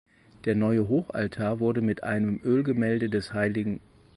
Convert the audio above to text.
Der neue Hochaltar wurde mit einem Ölgemälde des hl.